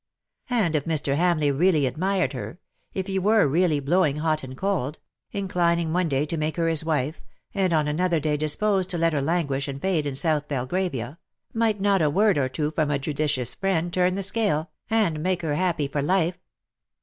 And if Mr. Hamleigh really admired her — if he were really blowing hot and cold — inclining one day to make her his wife, and on another day disposed to let her languish and fade in South Belgravia — might not a word or two from a judicious friend turn the scale, and make her happy for life.